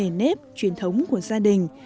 về gia phong nề nếp truyền thống của gia đình